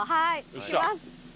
いきます。